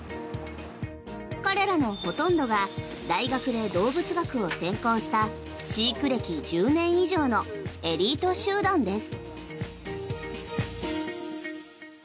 彼らのほとんどが大学で動物学を専攻した飼育歴１０年以上のエリート集団です。